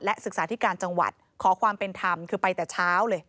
ศึกษาธิการจังหวัดขอความเป็นธรรมคือไปแต่เช้าเลย